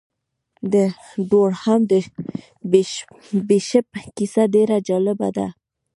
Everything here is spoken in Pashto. د دورهام د بیشپ کیسه ډېره جالبه ده.